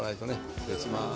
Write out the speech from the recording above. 失礼します。